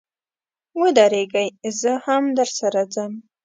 و درېږئ، زه هم درسره ځم.